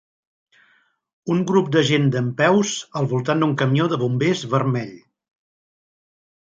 Un grup de gent dempeus al voltant d'un camió de bombers vermell.